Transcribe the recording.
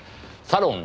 サロン